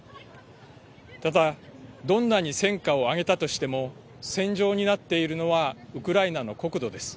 ただどんなに戦果を上げたとしても戦場になっているのはウクライナの国土です。